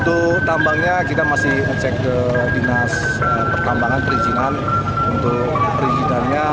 untuk tambangnya kita masih ngecek ke dinas pertambangan perizinan untuk perizinannya